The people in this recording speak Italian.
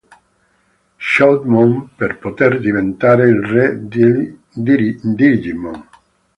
Shoutmon per poter diventare il re dei digimon.